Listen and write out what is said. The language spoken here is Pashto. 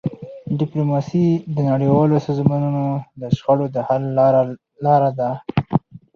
ډيپلوماسي د نړیوالو سازمانونو د شخړو د حل لاره ده.